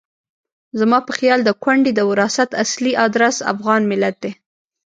زما په خیال د کونډې د وراثت اصلي ادرس افغان ملت دی.